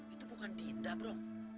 itu bukan dinda bro